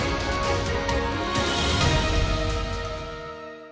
tentara kamanan rakyat